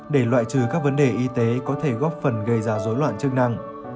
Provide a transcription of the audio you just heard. để loại trừ các vấn đề y tế có thể góp phần gây ra dối loạn chức năng